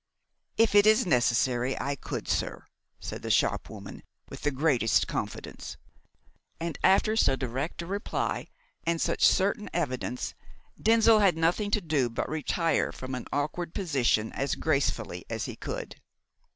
"If it is necessary, I could, sir," said the shopwoman, with the greatest confidence. And after so direct a reply, and such certain evidence, Denzil had nothing to do but retire from an awkward position as gracefully as he could.